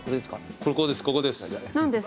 ここです。